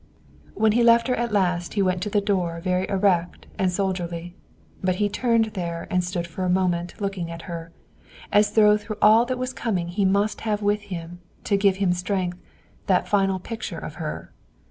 When he left her at last he went to the door, very erect and soldierly. But he turned there and stood for a moment looking at her, as though through all that was coming he must have with him, to give him strength, that final picture of her.